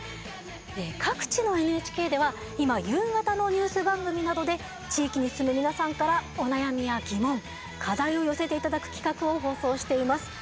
各地のＮＨＫでは今夕方のニュース番組などで地域に住む皆さんからお悩みや疑問課題を寄せていただく企画を放送しています。